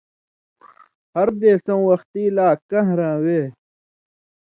ہر دیسؤں وختی لا کھاݩراں وے